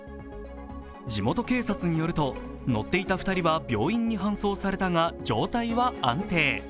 地元警察によると、乗っていた２人は病院に搬送されたが、状態は安定。